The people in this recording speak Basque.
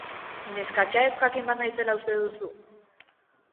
Neskatxa ezjakin bat naizela uste duzu?